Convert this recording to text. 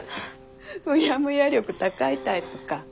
うやむや力高いタイプか。